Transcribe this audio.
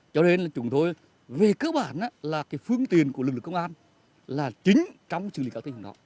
cho nên chúng tôi về cơ bản là phương tiền của lực lực công an là chính trong xử lý các tình hình họ